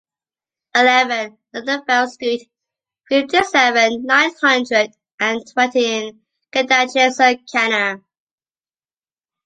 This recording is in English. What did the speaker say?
eleven Nonnenfels street, fifty-seven, nine hundred and twenty in Kédange-sur-Canner